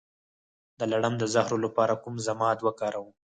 د لړم د زهر لپاره کوم ضماد وکاروم؟